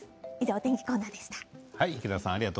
お天気コーナーでした。